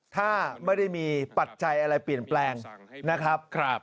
ถ้าไม่ได้มีปัจจัยอะไรเปลี่ยนแปลงนะครับ